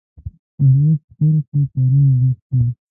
احمد تل په کارونو بوخت وي